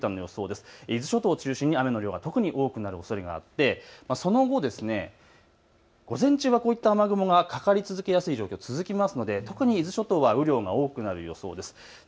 伊豆諸島を中心に雨の量が多くなるおそれがあってその後、午前中はこういった雨雲がかかり続けるので特に伊豆諸島は強くなる予想です。